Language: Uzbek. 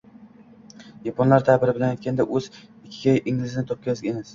Yaponlar taʼbiri bilan aytganda, oʻz “ikigay”ingizni topgansiz?